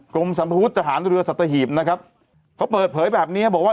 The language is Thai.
กรมสัมภวุฒิทหารเรือสัตหีบนะครับเขาเปิดเผยแบบนี้บอกว่า